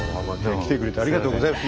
来てくれてありがとうございます。